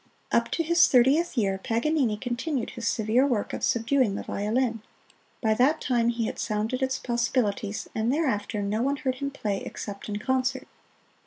Up to his thirtieth year Paganini continued his severe work of subduing the violin. By that time he had sounded its possibilities, and thereafter no one heard him play except in concert.